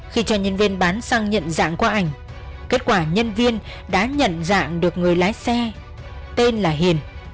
khi cho nhân viên bán xăng nhận dạng qua ảnh kết quả nhân viên đã nhận dạng được người lái xe tên là hiền